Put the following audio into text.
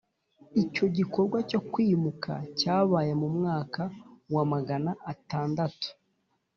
icyo gikorwa cyo kwimuka cyabaye mu mwaka wa magana atandatu,